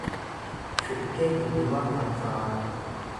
Shukkee Giddumaa Tarfaa